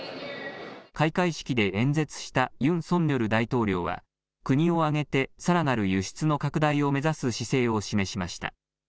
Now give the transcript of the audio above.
開会式で演説したユン・ソンニョル大統領は、国を挙げてさらなる輸出の拡大を目指す姿勢を示しました。